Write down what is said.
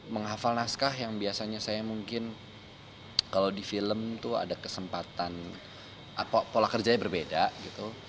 menghafal naskah yang biasanya saya mungkin kalau di film tuh ada kesempatan pola kerjanya berbeda gitu